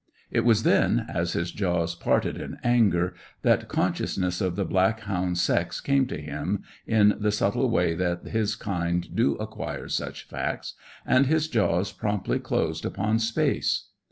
It was then, as his jaws parted in anger, that consciousness of the black hound's sex came to him, in the subtle way that his kind do acquire such facts, and his jaws promptly closed upon space.